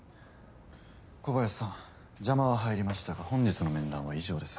小林さん邪魔は入りましたが本日の面談は以上です。